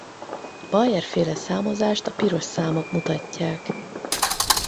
A Baeyer-féle számozást a piros számok mutatják.